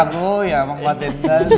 gue ya emang baten tadi ya